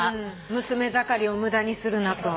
「娘盛りを無駄にするなと」